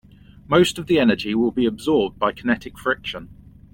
Most of the energy will be absorbed by kinetic friction.